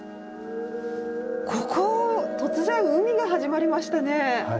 ここ突然海が始まりましたね。